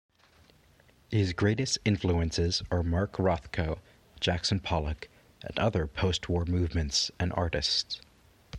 His greatest influences are Mark Rothko, Jackson Pollock, and other post-war movements and artists.